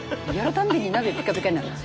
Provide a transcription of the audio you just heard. たんびに鍋ピカピカになって。